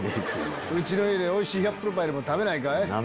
うちの家でおいしいアップルパイでも食べないかい？